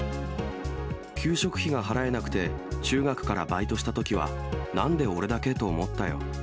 給食費が払えなくて、中学からバイトしたときは、なんでオレだけ？と思ったよ。